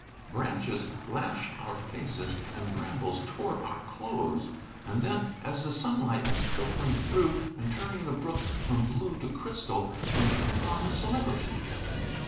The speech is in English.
Branches lashed our faces and brambles tore our clothes. And then, as the sunlight was filtering through and turning the brook from blue to crystal, we came upon the Celebrity.